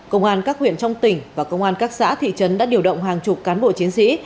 công an các huyện trong tỉnh và công an các xã thị trấn đã điều động hàng chục cán bộ chiến sĩ